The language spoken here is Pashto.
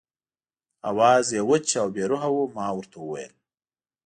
آواز یې وچ او بې روحه و، ما ورته وویل.